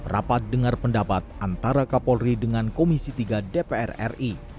rapat dengar pendapat antara kapolri dengan komisi tiga dpr ri